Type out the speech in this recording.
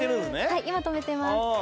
はい今止めてます。